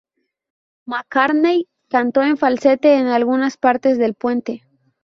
McCartney cantó en falsete en algunas partes del puente.